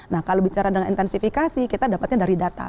nah kalau bicara dengan intensifikasi kita dapatnya dari data